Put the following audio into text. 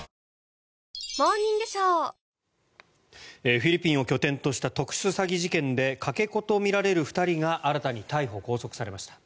フィリピンを拠点とした特殊詐欺事件でかけ子とみられる２人が新たに逮捕・拘束されました。